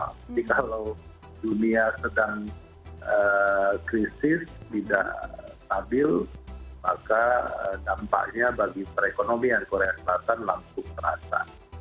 jadi kalau dunia sedang krisis tidak stabil maka dampaknya bagi perekonomian korea selatan langsung terasa